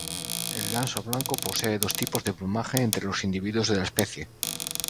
El ganso blanco posee dos tipos de plumaje entre los individuos de la especie.